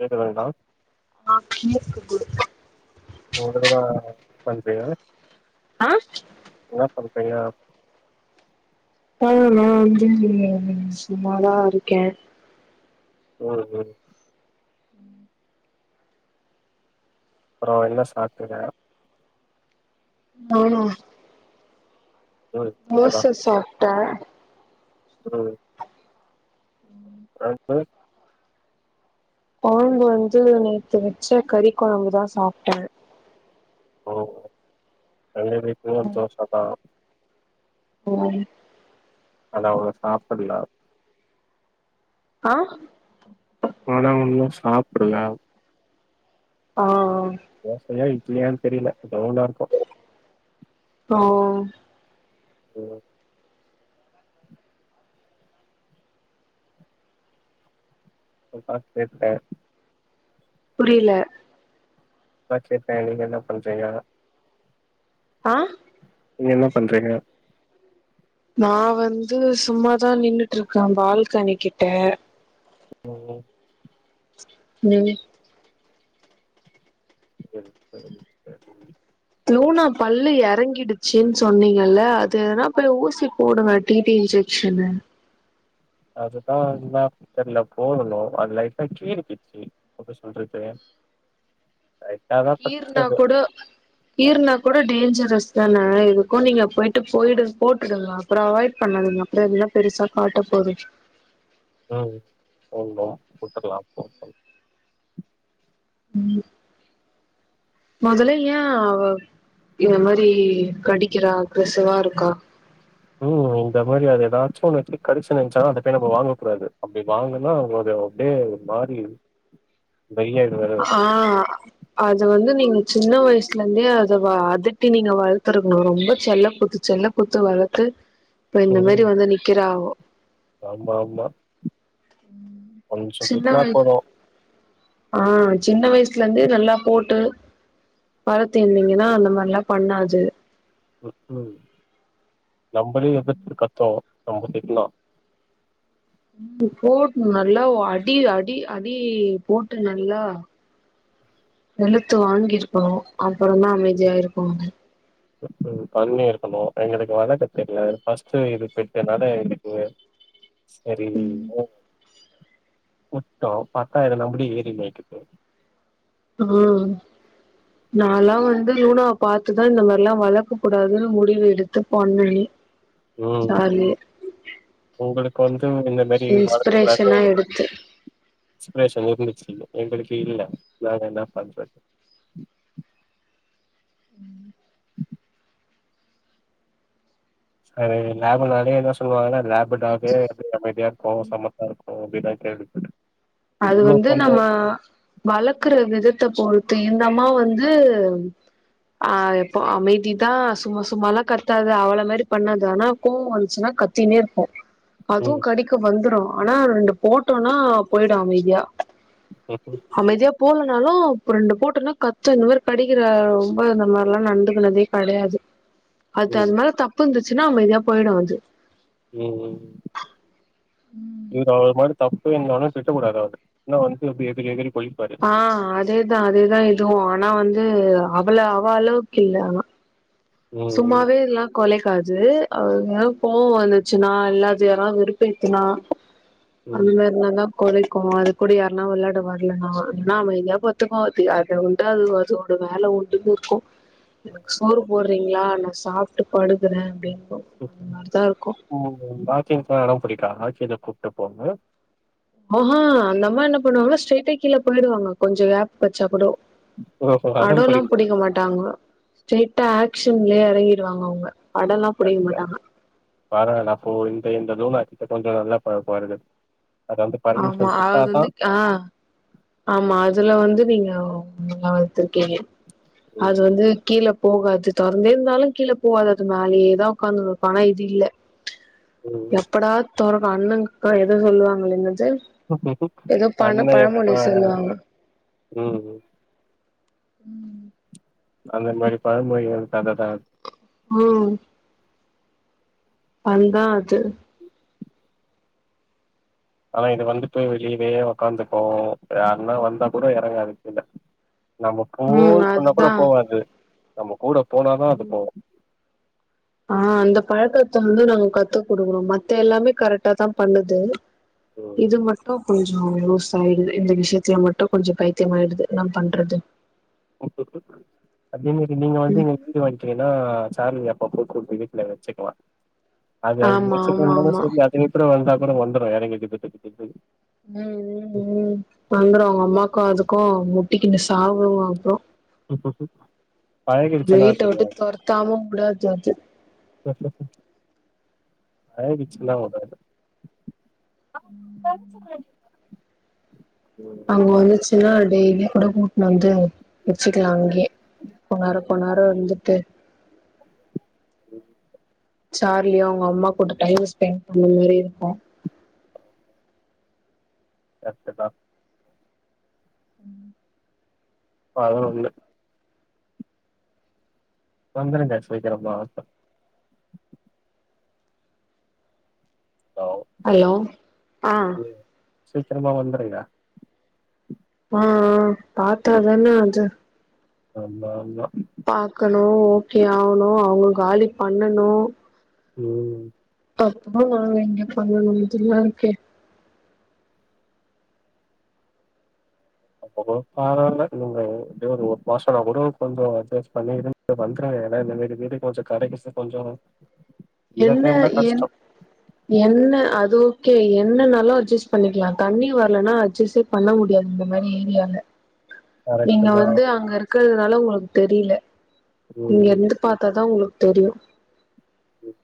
கேக்குதா என்னடா ஆ [unintelligible] குடு ஓர தடவதா பண்றியா ஆ என்னா பண்றீங்க ஆ நா வந்து சும்மாதா இருக்கே ம் ம் அப்பறோ என்ன சாப்ட்டிங்க நானா ம் நீங்கதா தோச சாப்ட்ட ம் அடுத்து கொழம்பு வந்து நேத்து வச்ச கறி கொழம்புதா சாப்ட்ட ஓ எங்க வீட்லயு தோசதா ஓ ஒய் ஆனா அவங்க சாப்புல ஆ ஆனா உன்னு சாப்டுல ஆ ஆ தோசயா இட்லியானு தெரில எதோ ஒன்னா இருக்கு ஓ ம் போய் பாத்து பேசிட்ட புரில படுத்ருக்க நீங்க என்னா பண்றீங்க ஆ நீங்க என்ன பண்றீங்க நா வந்து சும்மாதா நின்னுட்டுருக்கே பால்கனி கிட்ட ம் ம் நீங்க [inaudible] லூனா பல்லு எறங்கிடுச்சுனு சொன்னீங்கல அது எதனா போய் ஊசி போடுங்க டி டி இஞ்ச க்ஷனு அதுதா என்னா தெர்ல போகணு அது லைட்டா கீறிக்கிச்சு எப்டி சொல்றது அய் கீறுனா கூட கீறுனா கூட டேஞ்சரஸ் தானே எதுக்கு நீங்க போயிட்டு போயிடு போட்டுடுங்க அப்றோ அவாய்ட் பண்ணாதிங்க அப்றோ எதனா பெருசா காட்ட போது ம் போங்கோ கொத்துருலா அப்போ [inaudible] ம் மொதல்ல யா அவ இந்த மாரி கடிக்கிறா கொசுவா இருக்கா ம் இந்த மாரி அது ஏதாச்சும் ஒன்னு எடுத்து கடிச்சு நெனச்சாலு அத போய் நம்ம வாங்க கூடாது அப்டி வாங்னா [inaudible] அப்டியே ஒரு மாரி டையா ஆ அத வந்து நீங்க சின்ன வயசுல இந்தே அத வ அதட்டி நீங்க வளத்துக்கணு ரொம்ப செல்லகுத்து செல்லொ குத்து வளத்து இப்ப இந்த ம். மாரி வந்து நிக்குறாவோ ஆமா ஆமா கொஞ்சம் சின்ன திட்டுனா வ போதும். ஆ சின்ன வயசுலந்து நல்லா போட்டு பழுத்து இந்தீங்கனா அந்த மாரிலா பண்ணாது உம் ம் நம்ளே எதிர்து கத்தோம் நம்ம திட்னா ம் போடு நல்லா அடி அடி அடி போட்டு நல்லா வெளுத்து வாங்கிருகணு அப்றமா அமைதியாயிருக்கும் அது ம் ம் பண்ணி இருகணு எங்களுகு வலக்க தெரில ஃபஸ்டு இது பெட்டுனால எனக்கு செரி [inaudible] உட்டோ பாத்தா இது நம்ளே ஏறி மேய்குது ஆ நாலாம் வந்து லூனாவ பாத்துதா இந்த மாரிலா வளக்க கூடாதுனு முடிவு எடுத்து பண்ணனே ம். ஸ்டார்லியே உங்களுக்கு வந்து இந்த மாரி வளக்க கூடாதுனு இன்ஸ்பிரேஷனா ஒரு எடுத்து இன்ஸ்பெரேஷன் இருந்துச்சு எங்களுக்கு இல்ல நாங்க என்னா பண்றது ம் சரி லேப் நாலே என்ன சொல்லுவாங்கன்னா லேபு டாக்கு அமைதியா இருக்கு சமத்தா இருக்கு அப்டிதா கேள்விப்பட்டு அது வந்து நம்மா வளக்குற விதத்த பொறுத்து இந்தம்மா வந்து ஆஹ் இப்போ அமைதிதா சும்மா சும்மாலா கத்தாது அவ்ள மாரி பண்ணாது ஆனா கோவோ வந்துசுன்னா கத் தினே இருக்கோ அதுவு ம் கடிக்க வந்துறோ ஆனா ரெண்டு போட்டோனா போயிடோ அமைதியா ம் ம் அமைதியா போலனாலு அப்ப ரெண்டு போட்டனா கத்து இந்த மாரி கடிக்கிற ரொம்ப இந்த மாரிலா நடந்துகனதே கடையாது அது ம் அதுமேல தப்பு இருந்துச்சுன்னா அமைதியா போயிடு அது ம் இந்தா மாரி தப் பே இருந்தாலு திட்ட கூடாது அவன இல்லனா வந்து எகிரி எகிரி போய் ஆ அதேதா அதேதா இதுவு ஆனா வந்து அவள அவ அளவுக்கு இல்ல ஆனா ம் சும்மாவே எல்லா கொலைக்காது அவ எதானா கோவ வந்துச்சுன்னா இல்ல அத யாரா வெறுப்பு ஏத்துனா அந்த ம் மாரினா தா கொளைக்கு அது கூட யாருன்னா விளாட வரலன்னா இல்னா அமைதியா பத்துக்கோ அது [unintelligible] அது அதோட வேல உண்டுன்னு இருக்கு எனக்கு சோறு போடு றீங்கல்லா நா சாப்ட்டு படுக்றே அப்டிங்கூ உம் வாக்கிங்க் எடம் புடிக்கா வாக்கின கூட்டு போங்க ஆஹா அந்தம்மா என்ன பண்ணுவாங்கனா ஸ்ட்ரைட்டா கீழ போயிடுவாங்க கொஞ்ச கேப் கெடச்சா கூடோ ஓஹோ அடோ அடம் லா புடிக்குதா புடிக்க மாட்டாங்கா ஸ்ரைட்டா ஆக்க்ஷன்லயே எறங்கிடுவாங்க அவுங்க அடோலா புடிக்க ஹாக்கியா மாட்டாங்க பரவால்ல அப்போ இந்த இந்ததூனே இப்ப கொஞ்ச நல்லா பழகுவார்கள் அது அந்த ஆமா பர்மிஷன் அது குத்தா தா வந்து ஆ ஆமா அதுல வந்து நீங்க நல்லா வளத்திருக்கீங்க அது ம் வந்து கீழப் போகாது தொறந்தே இருந்தாலு கீழ போகாது அது மேலியே தா உக்காந்துனு இருக்கோ ஆனா இது இல்ல எப்படா தொறக்கோ அண்ணன்கா எதோ சொல்லுவாங்கலே எநேது அண்ண எப்ப சொல்லுவாங்க ம் ம் ம் அந்த மாரி பழமொழி ஓட கத தா அது ஹாம் வந்தா அது ஆனா இது வந்து போய் வெளில போயே ஒக்காந்துக்கோ யாருன்னா வந்தா கூட எறங்காது கீல நம்ப ம் போன்னு சொன்னா கூட அதுதா போவாது நம்ம கூட போனாதா அது ம் போவோ ஆ அந்த பழக்கத்த வந்து நாங்க கத்து குடுக்குறோ மத்த எல்லாமே கரெக்டா தா பண்ணுது ம் இது மட் டு கொஞ்கோ லூஸ் ஆயிடுது இந்த விஷயத்துல மட்டு கொஞ்சோ பைத்தியமாயிடுது என்ன பண்றது ம் அதே மாரி நீங்க வந்து ம் இங்க வீடு வாங்கினின்னா சார்லி அப்போ அப்போ கூட்டு வீட்டுல வெச்சிக்கலா அது அந்த ஆமா மாரி சிக்கோ ஆமா பண்ணா ஆமா சொல்லு அதுவிட்டுடோ வந்தா கூட வந்துரோ எரங்கி திப்பு திப்பு திப்புன்னு ம் ம் ம் வந்துரோ அவுங்க அம்மாக்கோ அதுக்கோ முட்டிக்குன்னு சாவுவோ அப்றோ பழகிடுச்சுன்னா வீட்ட வுட்டு தெரியாது தொரத்தாம உடாது அது பழகிச்சில்லா அவ்ளோதா ஆ அங்க வந்துச்சின்னா டெய்லியு கூட கூட்னு வந்து வெச்சுக்லா அங்கியே கொன்னாரோ கொன்னாறோ இருந்துட்டு உம் சார்லியு அவுங்க அம்மா கூட டைம் ஸ்பெண்ட் பண்ண மாரி இருக்கு கர்ட்டுதா [inaudible] இப்ப அதலா ஒன்னு இல்ல வந்துருங்க சீக்கிரமா லோவ் ஹல்லோ ஆ சீக்கிரமா வந்தருங்க ம் ம் ம் பாத்தாதானே அது அல்லா அல்லா பாக்கணு ஓகே ஆவணு அவுங்க காலி பண்ணணு ம் அப்போ நா இங்க பண்ணணுஇதுல்லா இருக்கே அப்பபோ தாரால்ல இந்த ஒரெ ஒரு மாசோ அவரோ கொஞ்சோ அட்ஜஸ் பண்ணி இரு இ வந்துற ஏன்னா இந்த விடு வீடு கொஞ்சோ கரைக்கிசு கொஞ்சோ இந்த என்ன டைம் தான் என் கஷ்டம் என்ன அது ஓகே என்னனாலு அட்ஜஸ் பண்ணிக்கலா தண்ணி வரலனா அட்ஜஸே பண்ண முடியாது இந்த மாரி ஏரியால கரெக்ட்டு நீங்க தான் வந்து அங்க இருக்கிறதனால உங்ளுக்கு தெரில ம் இங்கர்ந்துப் பாத்தாதா உங்ளுக் தெரியு ம்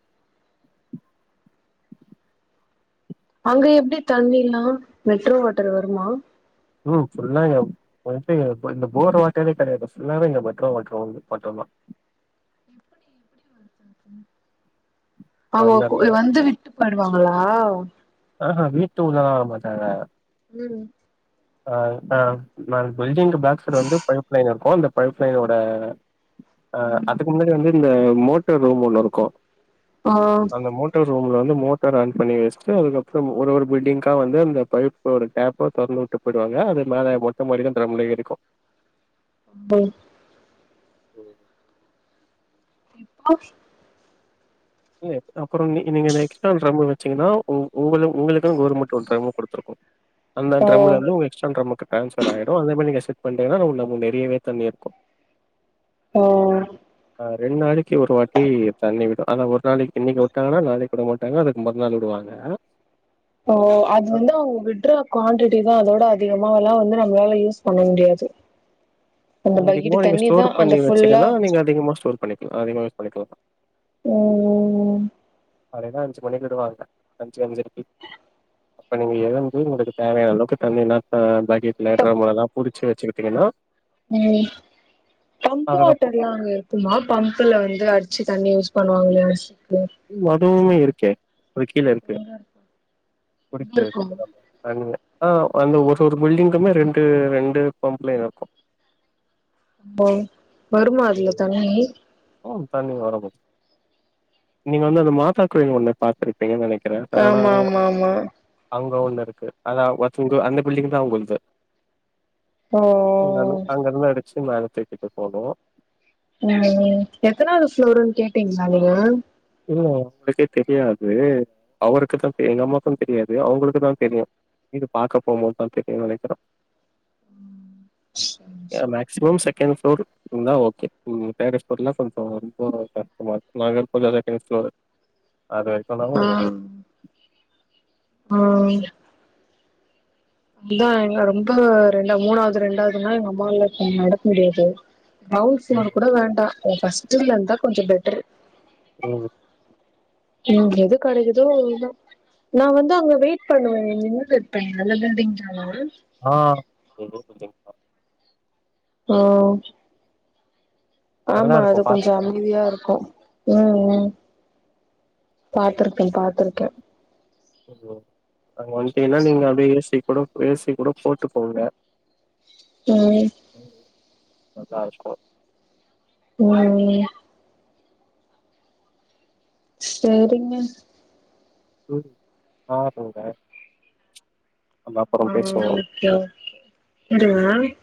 அங்க எப்டி தண்ணில்லா மெட்ரோ வாட்டர் வருமா ம் ஃபுல்லா இங்கப் வன்ட்டு இங்கப இந்த போர் வாட்டரே கெடையாது ஃபுல்லாவே இங்க மெட்ரோ வாட்ரு ஒன்னு மட்டுந்தா அவுங்கோ அந்தந்த வந்து விட்டு போயிடுவாங்களா ஆஹ வீட்டு உள்ளளா வரமாட்டாங்க ம் அ ஆ நாங் பில்டிங்கு பேக் சைடு வந்து பைப் லைன் இருக்கு அந்த பைப் லைனோட அ அதுக்கு முன்னாடி வந்து இந்த மோட்டர் ரூம் ஒன்னு இருக்கு ஓ அந்த மோட்டர் ரூம்ல வந்து மோட்டர் ஆன் பண்ணி வெஸ்டு அதுக்கப்றம் ஒரு ஒரு பில்டிங்க்கா வந்து அந்த பைப் ஒரு டேப்ப தொறந்து வுட்டுப் போயிடுவாங்க அது மேல மொட்ட மாடில டிரம்ல ஏறிக்கு [unintelligible] ம் இப்போ இல்லேப் அப்பறோ நீ நீங்க இந்த எக்ஸ்ட்ரால் டிரம்மு வச்சீங்கன்னா உங் உங்கள உங்களுக்கு கவுர்மெண்ட் ஒரு டிரம்மு குடுத்துருக்கு அந்த ஓ டிரம்முலருந்து உங்கக் கிச்சன் டிரம்முக்கு டிரான்ஸபர் ஆயிடு அதே மாரி நீங்க ஷிப்ட் பண்ணிட்டிங்கனான உள்ளமு நிறையவே தண்ணி இர்க்கு ஓ ஆ ரெண் நாளைக்கி ஒரு வாட்டி தண்ணி விடு ஆனா ஒர் றாளைகி இன்னிகி வுட்டாங்கனா நாளைக் வுட மாட்டாங்க அதுக்கு மறு நாள் வுடுவாங்கே ஓ அது வந்து அவுங் விட்றப் குவான்டிட்டிதா அதோட அதிகமாலா வந்து நம்ளால யூஸ் பண்ண முடியாது நீ அந்த அதிகமா பக்கெட்டு நீங்க தண்ணி தா ஸ்டோர் அந்த பண்ணி ஃபுல்லா வச்சீங்கன்னா நீங்க அதிகமா ஸ்டோர் பண்ணிக்லா அதிகமா யூஸ் பண்ணிக்லா ம் காலைல அஞ்சு மணிக்கு விடுவாங்க அஞ்சு அஞ்சரைக்கி இப்ப நீங்க எழந்து உங்ளுக்குத் தேவையான அளவுக்கு தண்ணினாத்தா பாய் ஹீட் இப்ப லேட்ராமோதலாம் புடிச்சு வச்சுக்கிட்டிங்கனா ம் பம்ப் அதுக்கப்புறம் வாட்டர்ல்லா அங்க இருக்குமா பம்ப்புல வந்து அடிச்சு தண்ணி யூஸ் பண்ணுவாங்ளேச் மதுவுமே இருக்கே அது கீழ இருக்கு குடிக்க இருக்கு [unintelligible] ஆ அந்த ஒரு ஒரு பில்டிங்குமே ரெண்டு ரெண்டு பம்ப் லைன் இருக்கு ஓ வருமா அதுல ம். தண்ணி ம் தண்ணி வரபோ நீங்க வந்து அந்த மாத்தாக்வீங்க ஒன்னு பாத்துருப்பீங்கன் நெனைக்றே சரணா ஆமா ஆமா ஆமா அங்க ஒன்னு இருக்கு அதா ஒர்ச்சிங்கோ அந்த பில்டிங்தா உங்குள்து அ அ இந்தாலு அங்கர்ந்து அடிச்சு மேலத்தூக்கிட்டு போனு ம் ம் எத்தனாது ஃப்ளோருன் கேட்டீங்ளா நீங்க இல்ல ங்ளுக்கேத் தெரியாது அவருக்குதா தெ எங்க அம்மாக்குந் தெரியாது அவுங்குளுக்குதா தெரியு வீடுப் பாக்கப் போம்போத்தா தெரியு நெனைக்கிறோ ய மேக் சிவம் செகண்ட் ஃபுளோர் இருந்தா ஓகே ம் [unintelligible] கொஞ்சோ ரொம்ப கஷ்டமா [unintelligible] செகன்டு புளோரு அது வரைக்கந்தா ஓடுவ ஓ அதா எங்க ரொம்ப ரெண்டா மூணாவது ரெண்டாவதுன்னா எங்க அம்மாவால நடக்க முடியாது கிரவுண்ட் ப்ளோர் கூட வேண்டா ஃபஸ்ட் ப்ளோரா இருந்தா கொஞ்சோ பெட்டரு ம் ம் எது கெடைகிதோ நா வந்து அங்க வெயிட் பண்ணுவே அங்க நின்னிட்டு இருப்ப நல்ல பில்டிங் தானா ஆ [unintelligible] ஓ நல்லா ஆமா அது இருக்கும் கொஞ்சோ பாத்துருக்கேன். அமைதியா இருக்கு ம் ம் பாத்துருக்கே பாத்துருக்கே ஒ அங்க வந்ட்டீங்கன்னா நீங்க அப்டியே ஏ சி கொட ஏ சி கூட போட்டுக்கோங்க ம் மட்ராஸ்கோ வண்டி லேயா சேரிங்க ம் ஆ சொல்ற ஆ பேசுவோம். Okay okay [inaudible]